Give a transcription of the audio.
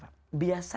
kita akan menahan lapar